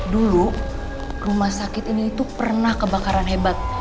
dulu rumah sakit ini itu pernah kebakaran hebat